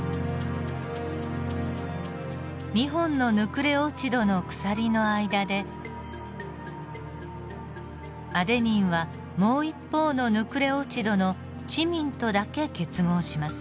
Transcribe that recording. ２本のヌクレオチドの鎖の間でアデニンはもう一方のヌクレオチドのチミンとだけ結合します。